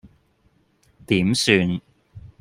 點算